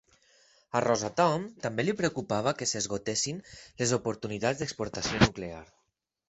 A Rosatom també li preocupava que s'esgotessin les oportunitats d'exportació nuclear.